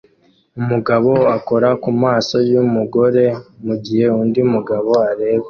Umugabo akora ku maso yumugore mugihe undi mugabo areba